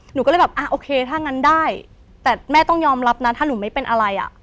หนูก็เลยแบบอ่าโอเคถ้างั้นได้แต่แม่ต้องยอมรับนะถ้าหนูไม่เป็นอะไรอ่ะ